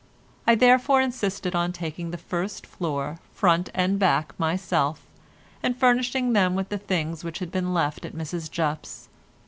I therefore insisted on taking the first floor front and back myself, and furnishing them with the things which had been left at Mrs Jupp's.